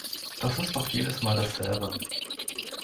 Das ist doch jedes Mal dasselbe.